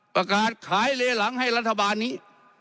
ประกาศขายเลหลังให้รัฐบาลนี้